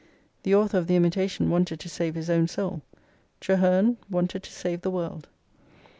The author of the "Imitation" wanted to save his own soul; Traherne wanted to save the world.